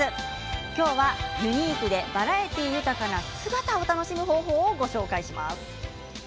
きょうはユニークでバラエティー豊かな姿を楽しむ方法をご紹介します。